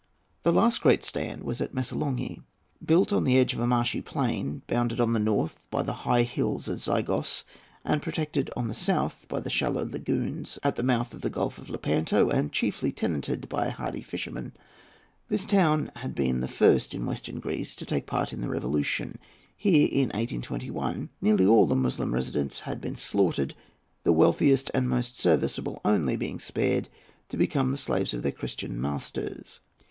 The last great stand was at Missolonghi. Built on the edge of a marshy plain, bounded on the north by the high hills of Zygos and protected on the south by shallow lagoons at the mouth of the Gulf of Lepanto, and chiefly tenanted by hardy fishermen, this town had been the first in Western Greece to take part in the Revolution. Here in June, 1821, nearly all the Moslem residents had been slaughtered, the wealthiest and most serviceable only being spared to become the slaves of their Christian masters.